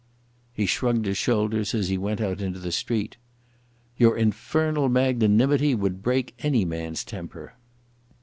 He shrugged his shoulders, as he went out to the street. "Your infernal magnanimity would break any man's temper."